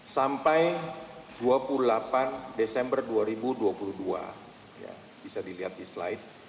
sampai dua puluh delapan desember dua ribu dua puluh dua bisa dilihat di slide